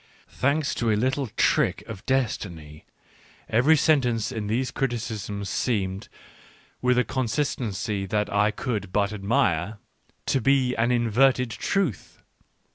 ; Thanks to a little trick of destiny, every sentence in these criticisms seemed, with a consistency that I could but admire, to be an inverted truth.